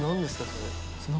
それ。